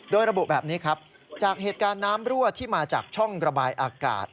โดยระบุแบบนี้ครับจากเหตุการณ์น้ำรั่วที่มาจากช่องระบายอากาศ